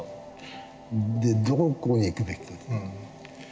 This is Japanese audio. でどこに行くべきか。